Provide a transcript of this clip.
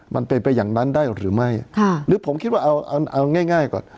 มันเป็นไปอย่างนั้นได้หรือไม่ค่ะหรือผมคิดว่าเอาเอาง่ายง่ายก่อน